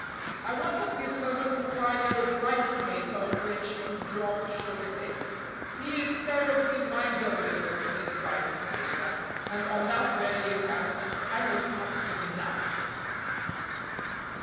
"I want at this moment a quire of writing paper on which to drop sugar cakes. He is terribly miserly of his writing paper, and on that very account I must have some now.